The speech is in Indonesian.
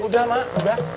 udah ma udah